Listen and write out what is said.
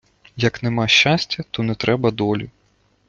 Як нема щастя, то не треба долі.